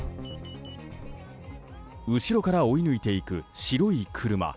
後ろから追い抜いていく白い車。